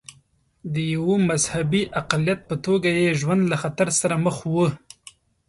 د یوه مذهبي اقلیت په توګه یې ژوند له خطر سره مخ و.